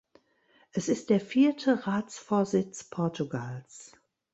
Es ist der vierte Ratsvorsitz Portugals.